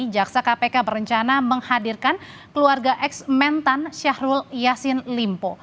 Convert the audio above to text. jaksa kpk berencana menghadirkan keluarga ex mentan syahrul yassin limpo